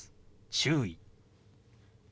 「注意」。